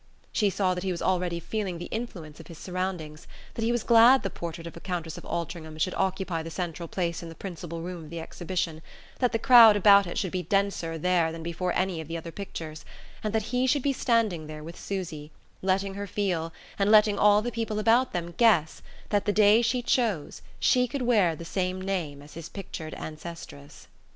She saw that he was already feeling the influence of his surroundings, that he was glad the portrait of a Countess of Altringham should occupy the central place in the principal room of the exhibition, that the crowd about it should be denser there than before any of the other pictures, and that he should be standing there with Susy, letting her feel, and letting all the people about them guess, that the day she chose she could wear the same name as his pictured ancestress.